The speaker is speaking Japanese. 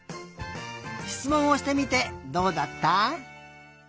しつもんをしてみてどうだった？